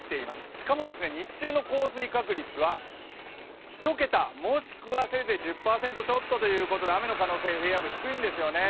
しかも、日中の降水確率は１桁もしくはせいぜい１０％ちょっとということで雨の可能性、平野部、低いんですよね。